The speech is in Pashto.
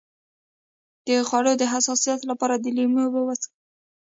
د خوړو د حساسیت لپاره د لیمو اوبه وڅښئ